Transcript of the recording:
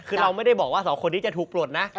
คือเราไม่ได้บอกว่าสองคนนี้จะถูกปลดนะ